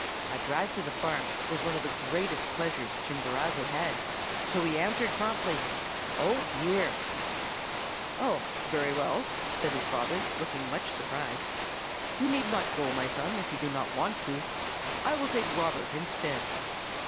"A drive to the farm was one of the greatest pleasures Chimborazo had, so he answered promptly, 'Oh, dear!' "'Oh, very well!' said his father, looking much surprised. 'You need not go, my son, if you do not want to. I will take Robert instead.